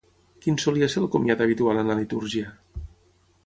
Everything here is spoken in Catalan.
Quin solia ser el comiat habitual en la litúrgia?